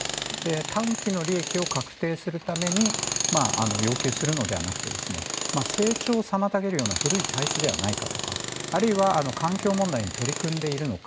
短期の利益を確定するために要求するのではなくて成長を妨げるような古い体質ではないかとかあるいは環境問題に取り組んでいるのか。